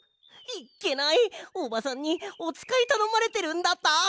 いっけないおばさんにおつかいたのまれてるんだった！